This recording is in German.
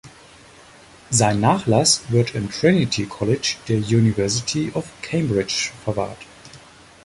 Sein Nachlass wird im Trinity College der University of Cambridge verwahrt.